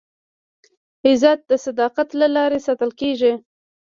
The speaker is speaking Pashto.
عزت د صداقت له لارې ساتل کېږي.